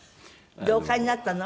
でお飼いになったの？